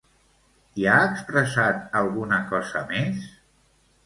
Hi ha expressat alguna cosa més?